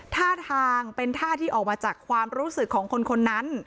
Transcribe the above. ท่าทางเป็นท่าที่ออกมาจากความรู้สึกของคนคนนั้น